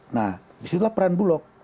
nah disitulah peran bulog